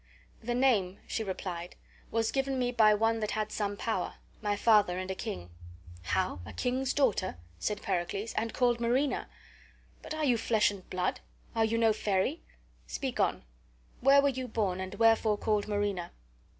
"The name," she replied, "was given me by one that had some power, my father and a king." "How, a king's daughter!" said Pericles, "and called Marina! But are you flesh and blood? Are you no fairy? Speak on. Where were you born, and wherefore called Marina?"